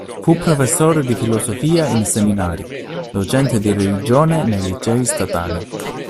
Fu professore di filosofia in seminario, docente di religione nei licei statali.